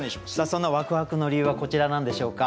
そのワクワクの理由はこちらなんでしょうか？